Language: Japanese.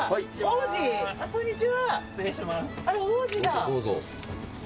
こんにちは。